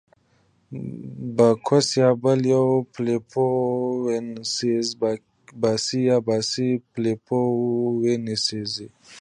باکوس یا بل یو، فلیپو وینسینزا، باسي یا باسي فلیپو وینسینزا.